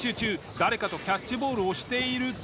誰かとキャッチボールをしていると。